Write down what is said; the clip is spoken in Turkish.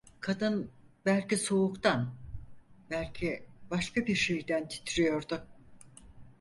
Kadın belki soğuktan, belki başka bir şeyden titriyordu.